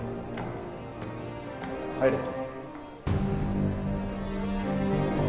入れ。